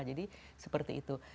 jadi seperti itu